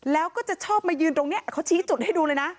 แล้วก็จะชอบมายืนตรงนี้เขาชี้จุดให้ดูเลยนะ